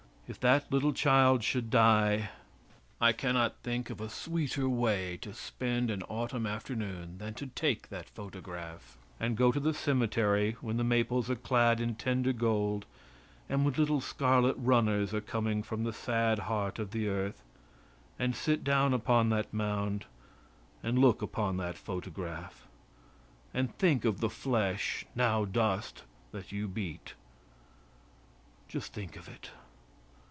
If that little child should die, I can not think of a sweeter way to spend an Autumn afternoon than to take that photograph and go to the cemetery, when the maples are clad in tender gold, and when little scarlet runners are coming from the sad heart of the earth, and sit down upon that mound, and look upon that photograph, and think of the flesh, now dust, that you beat. Just think of it.